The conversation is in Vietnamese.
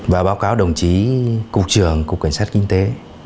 và báo cáo đồng chí cục trưởng cục cảnh sát kinh tế